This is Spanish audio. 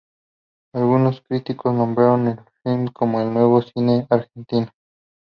Algunos críticos nombraron el film como "el nuevo cine argentino".